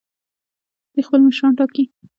دوی خپل مشران ټاکي.